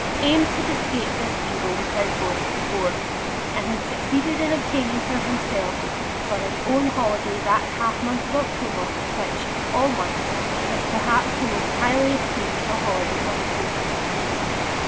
Eames had escaped this evil without going to the Board, and had succeeded in obtaining for himself for his own holiday that month of October, which, of all months, is perhaps the most highly esteemed for holiday purposes.